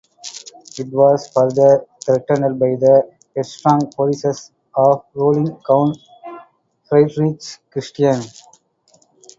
It was further threatened by the headstrong policies of ruling Count Friedrich Christian.